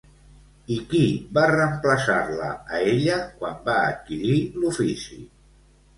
I qui va reemplaçar-la a ella quan va adquirir l'ofici?